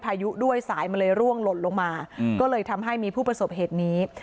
ยุด้วยสายมันเลยร่วงหล่นลงมาก็เลยทำให้มีผู้ประสบเหตุนี้